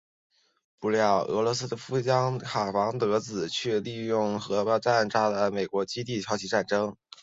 不料奥洛夫将军和卡马汉王子却偷梁换柱利用核弹炸毁美国空军基地挑起战争。